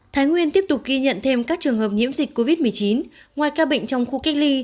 thái nguyên tiếp tục ghi nhận thêm các trường hợp nhiễm dịch covid một mươi chín ngoài ca bệnh trong khu cách ly